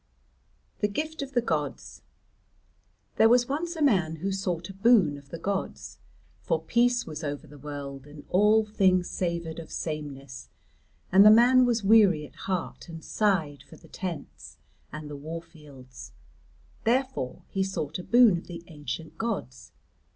THE GIFT OF THE GODS There was once a man who sought a boon of the gods. For peace was over the world and all things savoured of sameness, and the man was weary at heart and sighed for the tents and the warfields. Therefore he sought a boon of the ancient gods.